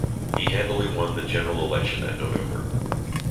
He handily won the general election that November.